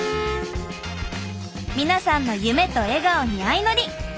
皆さんの夢と笑顔にあいのり。